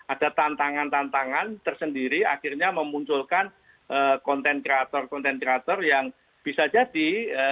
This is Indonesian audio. ada tantangan tantangan tersendiri akhirnya memunculkan konten kreator konten kreator yang bisa jadi